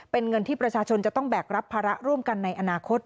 เป็นเงินที่ประชาชนจะต้องแบกรับภาระร่วมกันในอนาคต